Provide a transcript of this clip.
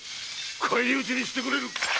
返り討ちにしてくれる！